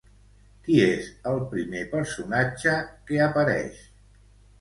Qui és el primer personatge que apareix?